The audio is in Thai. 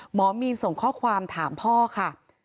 หมอมีนส่งข้อความถามพ่อค่ะ